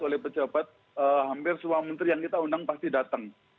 oleh pejabat hampir semua menteri yang kita undang pasti datang